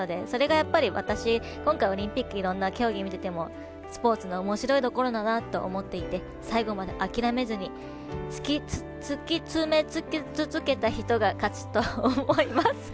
それが、私、今回オリンピックいろんな競技を見ててもスポーツのおもしろいところだなと思っていて、最後まで諦めずに突き詰め続けた人が勝ちと思います。